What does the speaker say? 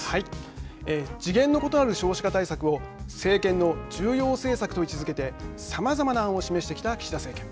次元の異なる少子化対策を政権の重要政策と位置づけてさまざまな案を示してきた岸田政権。